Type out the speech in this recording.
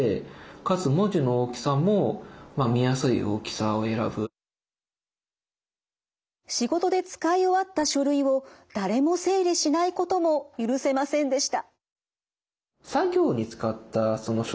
それもちゃんと仕事で使い終わった書類を誰も整理しないことも許せませんでした。